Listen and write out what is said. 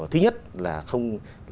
thứ nhất là không